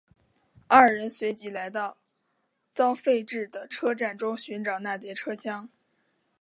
二人随即来到遭废置的车站中寻找那节车厢。